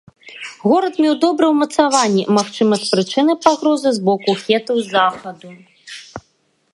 Горад меў добрыя ўмацаванні, магчыма, з прычыны пагрозы з боку хетаў з захаду.